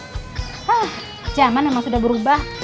hah zaman memang sudah berubah